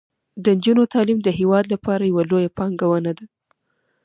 د نجونو تعلیم د هیواد لپاره یوه لویه پانګونه ده.